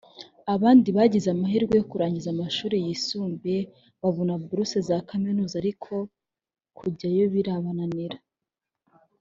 abandi bagize amahirwe yo kurangiza amashuri yisumbuye babona buruse za kaminuza ariko kujyayo birabananira